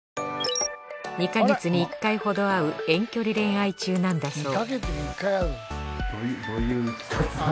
２か月に１回ほど会う遠距離恋愛中なんだそう